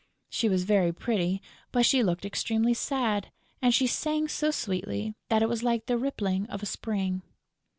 She was very pretty, but she looked extremely sad; and she sang so sweetly that it was like the rippling of a spring.